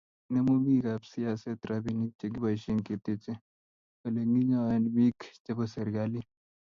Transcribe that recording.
inemu bikap siaset robinik chegiboishe keteche oleginyoen biik chebo serikalit